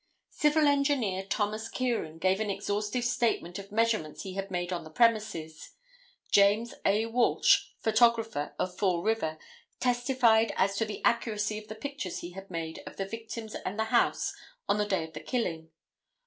Civil Engineer Thomas Kieran gave an exhaustive statement of measurements he had made on the premises. James A. Walsh, photographer, of Fall River, testified as to the accuracy of the pictures he had made of the victims and the house on the day of the killing.